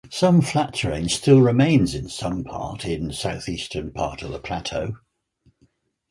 Some flat terrain still remains in some part in southeastern part of the plateau.